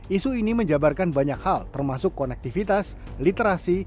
isu ini menjabarkan banyak hal termasuk konektivitas literasi